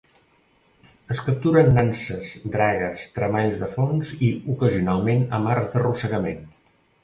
Es captura amb nanses, dragues, tremalls de fons i, ocasionalment, amb arts d'arrossegament.